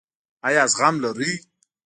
ایا زغم لرئ؟